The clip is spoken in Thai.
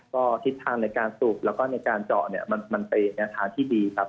ก็ทิศทางในการสูบแล้วก็ในการเจาะเนี่ยมันเป็นแนวทางที่ดีครับ